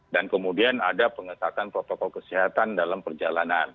dan kemudian ada pengetahuan protokol kesehatan dalam perjalanan dalam negeri